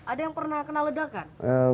ada yang pernah kena ledakan